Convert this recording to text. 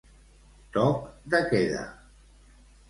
Toc de queda.